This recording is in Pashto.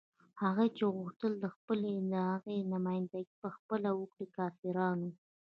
هغوی چې غوښتل یې د خپلې داعیې نمايندګي په خپله وکړي کافران وو.